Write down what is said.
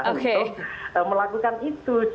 untuk melakukan itu